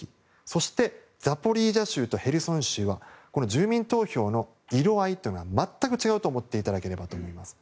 そして、ザポリージャ州とヘルソン州は住民投票の色合いは全く違うと思っていただければと思います。